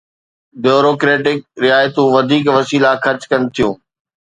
Bureaucratic رعايتون وڌيڪ وسيلا خرچ ڪن ٿيون.